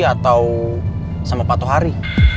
atau sama patuh hari